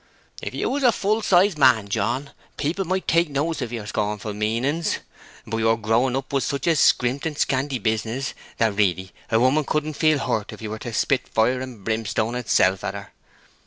"If you was a full sized man, John, people might take notice of your scornful meanings. But your growing up was such a scrimped and scanty business that really a woman couldn't feel hurt if you were to spit fire and brimstone itself at her.